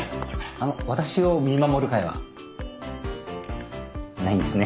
あの私を見守る会は？ないんですね。